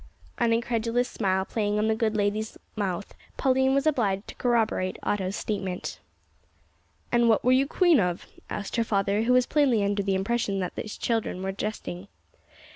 An incredulous smile playing on the good lady's little mouth, Pauline was obliged to corroborate Otto's statement. "And what were you queen of?" asked her father, who was plainly under the impression that his children were jesting.